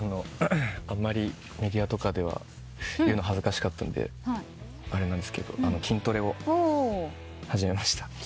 あんまりメディアとかでは言うの恥ずかしかったんであれなんですけど筋トレを始めました。